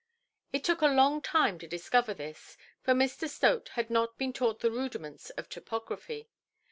It took a long time to discover this, for Mr. Stote had not been taught the rudiments of topography.